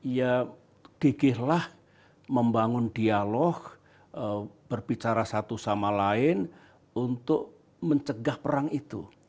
ya gigihlah membangun dialog berbicara satu sama lain untuk mencegah perang itu